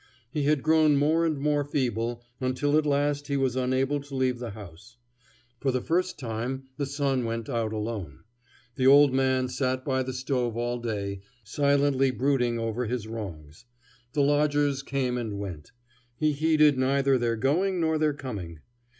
He had grown more and more feeble, until at last he was unable to leave the house. For the first time the son went out alone. The old man sat by the stove all day, silently brooding over his wrongs. The lodgers came and went. He heeded neither their going nor their coming.